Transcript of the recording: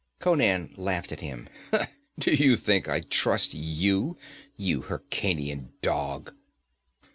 Conan laughed at him. 'Do you think I'd trust you, you Hyrkanian dog?'